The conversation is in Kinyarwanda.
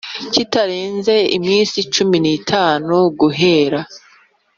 kitarenze iminsi cumi n itanu guhera